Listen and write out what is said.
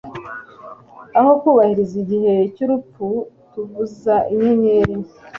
aho, kubahiriza igihe cyurupfu, tuvuza inyenyeri